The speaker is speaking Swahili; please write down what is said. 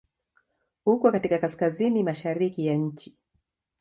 Uko katika Kaskazini mashariki ya nchi.